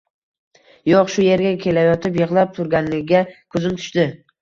Yo`q, shu erga kelayotib, yig`lab turganiga ko`zim tushdi